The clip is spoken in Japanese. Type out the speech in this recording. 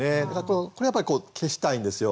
これやっぱり消したいんですよ。